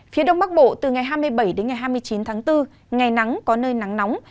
phía đông bắc bộ từ ngày hai mươi bảy đến ngày hai mươi chín tháng bốn ngày nắng có nơi nắng nóng